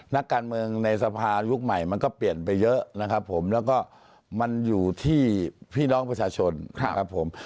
นักการเมืองในสภายุคใหม่มันก็เปลี่ยนไปเยอะนะครับผมแล้วก็มันอยู่ที่พี่น้องประชาชนนะครับผม